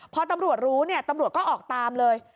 พอตำรวจรู้เนี่ยตำรวจก็ออกตามเลย